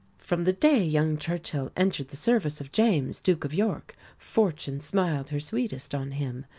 From the day young Churchill entered the service of James, Duke of York, Fortune smiled her sweetest on him.